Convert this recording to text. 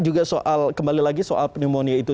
juga soal kembali lagi soal pneumonia itu